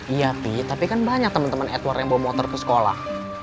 iya tapi kan banyak temen temen edward yang bawa motor ke sekolah